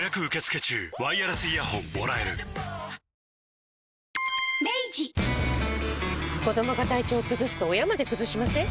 「颯」子どもが体調崩すと親まで崩しません？